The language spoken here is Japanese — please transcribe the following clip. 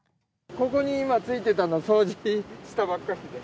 ここに今、ついてたの掃除したばっかりで。